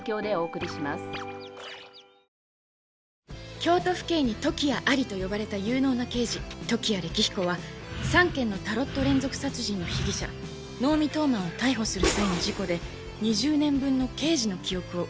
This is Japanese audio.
「京都府警に時矢あり」と呼ばれた有能な刑事時矢暦彦は３件のタロット連続殺人の被疑者能見冬馬を逮捕する際の事故で２０年分の刑事の記憶を失ってしまう